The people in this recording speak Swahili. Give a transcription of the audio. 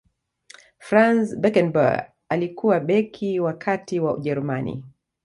franz beckenbauer alikuwa beki wa kati wa ujerumani